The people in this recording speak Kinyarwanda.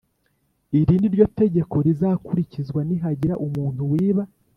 Iri ni ryo tegeko rizakurikizwa nihagira umuntu wiba